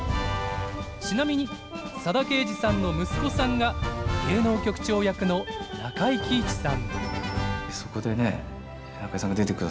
ちなみに佐田啓二さんの息子さんが芸能局長役の中井貴一さん。